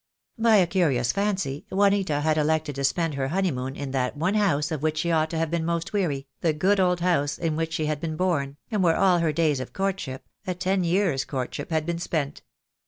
By a curious fancy Juanita had elected to spend her honeymoon in that one house of which she ought to have been most weary, the good old house in which she had been born, and where all her days of courtship, a ten years' courtship, had been spent.